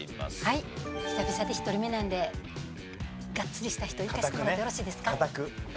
久々で１人目なんでがっつりした人いかせてもらってよろしいですか？